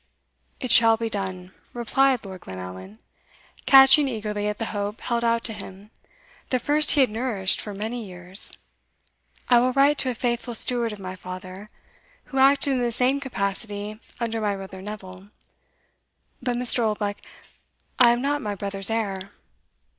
"It shall be done," replied Lord Glenallan, catching eagerly at the hope held out to him, the first he had nourished for many years; "I will write to a faithful steward of my father, who acted in the same capacity under my brother Neville But, Mr. Oldbuck, I am not my brother's heir."